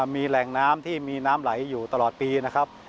มีแหล่งน้ำที่มีน้ำไหลอยู่ตลอดปีนะครับ